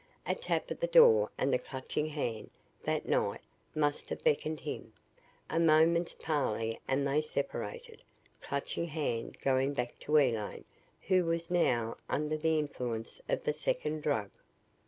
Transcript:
A tap at the door and the Clutching Hand, that night, must have beckoned him. A moment's parley and they separated Clutching Hand going back to Elaine, who was now under the influence of the second drug.